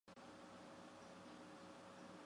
褐背柳是杨柳科柳属的植物。